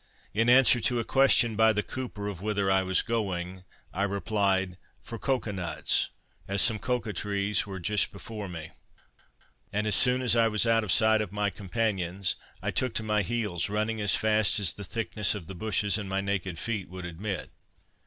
In answer to a question by the cooper of whither I was going? I replied, "for cocoa nuts, as some cocoa trees were just before me;" and as soon as I was out of sight of my companions, I took to my heels, running as fast as the thickness of the bushes and my naked feet would admit.